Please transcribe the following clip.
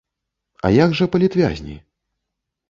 А як жа палітвязні?